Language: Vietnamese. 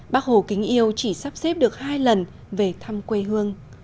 bác hồ kính yêu chỉ sắp xếp được hai lần về thăm quê hương